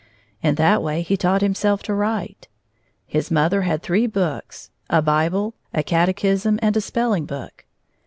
In that way he taught himself to write. His mother had three books, a Bible, a catechism, and a spelling book.